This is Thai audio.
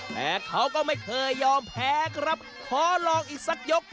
แต่เขาก็ไม่เคยยอมแพ้ครับขอลองอีกสักยก